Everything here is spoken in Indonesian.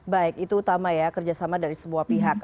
baik itu utama ya kerjasama dari semua pihak